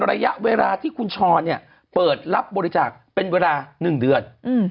ระยะเวลาที่คุณช้อนเปิดรับบริจาคเป็นเวลา๑เดือน